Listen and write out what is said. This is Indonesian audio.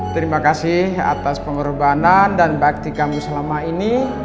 terima kasih atas pemberubahan dan bakti kami selama ini